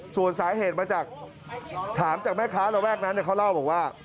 ส่วนสาเหตุมาจากถามจากแม่ค้าระแวกนั้นเขาเล่าบอกว่า